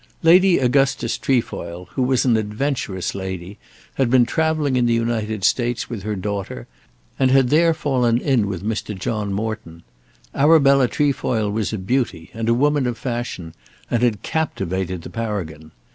Lady Augustus Trefoil, who was an adventurous lady, had been travelling in the United States with her daughter, and had there fallen in with Mr. John Morton. Arabella Trefoil was a beauty, and a woman of fashion, and had captivated the Paragon.